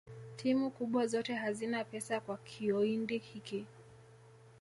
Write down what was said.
timu kubwa zote hazina pesa kwa kioindi hiki